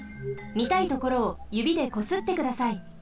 みたいところをゆびでこすってください。